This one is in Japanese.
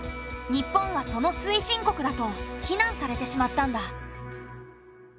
日本はその推進国だと非難されてしまったんだ。